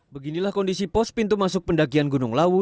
beginilah kondisi pos pintu masuk pendakian gunung lawu